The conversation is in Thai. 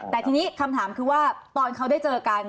แต่ทีนี้คำถามคือว่าตอนเขาได้เจอกัน